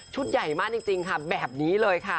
ใหญ่มากจริงค่ะแบบนี้เลยค่ะ